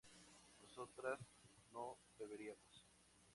nosotras no beberíamos